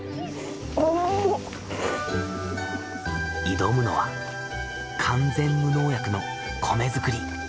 挑むのは完全無農薬の米作り。